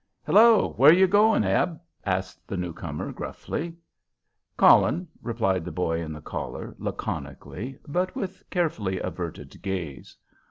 "Hello! Where you goin', Ab?" asked the newcomer, gruffly. "Callin'," replied the boy in the collar, laconically, but with carefully averted gaze.